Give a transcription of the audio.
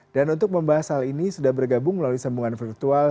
dan untuk membahas hal ini sudah bergabung melalui sembungan virtual